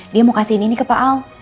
dia mau kasihin ini ke pak al